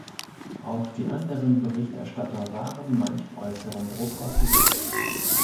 Auch die anderen Berichterstatter waren manch äußerem Druck ausgesetzt.